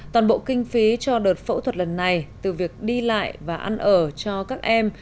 toàn bộ kinh phí cho đợt phẫu thuật lần này từ việc đi lại và ăn ở cho các em